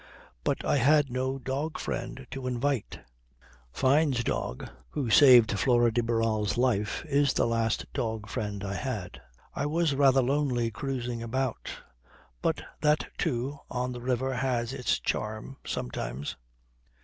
But I had no dog friend to invite. Fyne's dog who saved Flora de Barral's life is the last dog friend I had. I was rather lonely cruising about; but that, too, on the river has its charm, sometimes.